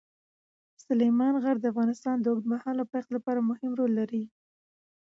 سلیمان غر د افغانستان د اوږدمهاله پایښت لپاره مهم رول لري.